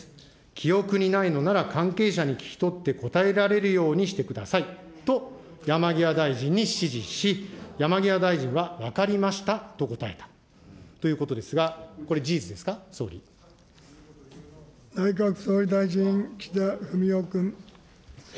記憶にないのなら関係者に聞き取って答えられるようにしてくださいと、山際大臣に指示し、山際大臣は分かりましたと答えたということですが、内閣総理大臣、岸田文雄君。